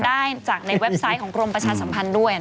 ได้จากในเว็บไซต์ของกรมประชาสัมพันธ์ด้วย